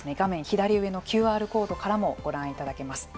左上のＱＲコードからもご覧いただけます。